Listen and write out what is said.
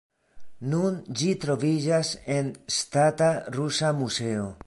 Nun ĝi troviĝas en Ŝtata Rusa Muzeo.